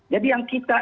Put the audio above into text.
jadi yang kita